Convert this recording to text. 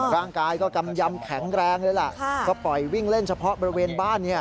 ร่างกายก็กำยำแข็งแรงเลยล่ะก็ปล่อยวิ่งเล่นเฉพาะบริเวณบ้านเนี่ย